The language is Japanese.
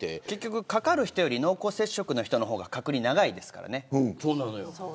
結局かかる人より濃厚接触の人のほうが隔離が長いですからね。